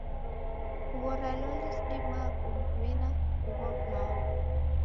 Kughora loli sidimaa kumwima ugho w'ulalo.